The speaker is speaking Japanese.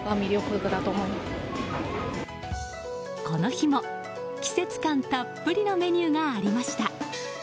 この日も、季節感たっぷりのメニューがありました。